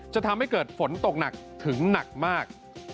จะทำให้เกิดฝนตกหนักถึงหนักมาก